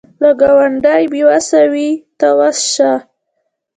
که ګاونډی بې وسه وي، ته وس شه